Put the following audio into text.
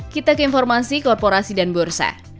kita ke informasi korporasi dan bursa